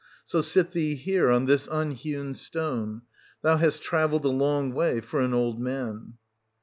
So sit thee here on this unhewn stone; thou hast travelled a long way for an old man.